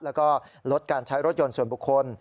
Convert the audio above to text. แล้วก็ลดการใช้รถยนต์ส่วนบุคคล